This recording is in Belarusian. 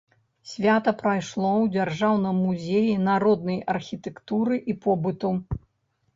Свята прайшло ў дзяржаўным музеі народнай архітэктуры і побыту.